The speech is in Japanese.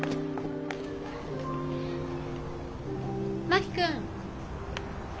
真木君！